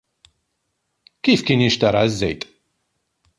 Kif kien jinxtara ż-żejt?